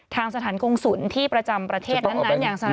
ทางสถานกงศุลที่ประจำประเทศนั้น